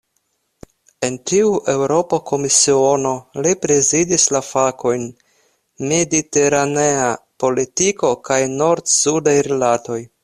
En tiu Eŭropa Komisiono, li prezidis la fakojn "mediteranea politiko kaj nord-sudaj rilatoj".